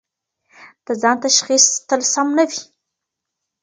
د ځان تشخیص تل سم نه وي.